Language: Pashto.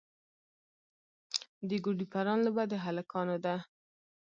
د ګوډي پران لوبه د هلکانو ده.